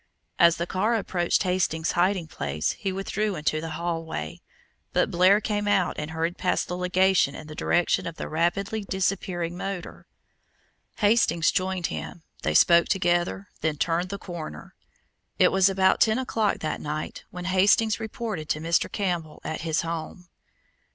As the car approached Hastings' hiding place he withdrew into the hallway; but Blair came out and hurried past the legation in the direction of the rapidly disappearing motor. Hastings joined him; they spoke together, then turned the corner. It was about ten o'clock that night when Hastings reported to Mr. Campbell at his home.